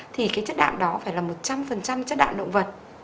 thì cái chất đạm đó phải là một trăm linh chất đạm động vật